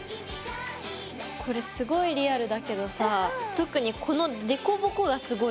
これすごいリアルだけどさ特にこの凹凸がすごいよね。